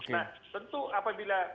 nah tentu apabila